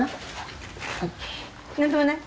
何ともない？